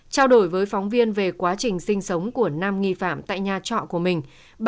trao đổi với phóng viên về quá trình sinh sống của năm nghi phạm tại nhà trọ của mình